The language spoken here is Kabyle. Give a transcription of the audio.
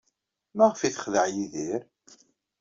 Maɣef ay texdeɛ Yidir?